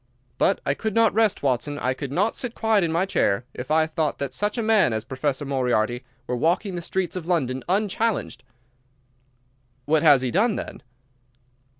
But I could not rest, Watson, I could not sit quiet in my chair, if I thought that such a man as Professor Moriarty were walking the streets of London unchallenged." "What has he done, then?"